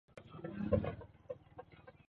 Niliachwa na marafiki zangu.